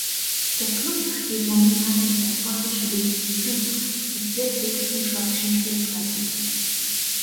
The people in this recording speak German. Der Klub spielt momentan in der Scottish League Two, der vierthöchsten schottischen Spielklasse.